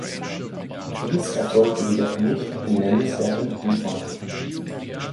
Dies erfolgte jedoch nicht in nennenswertem Umfang.